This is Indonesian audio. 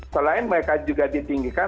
selain mereka juga ditinggikan